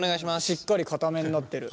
しっかりかためになってる。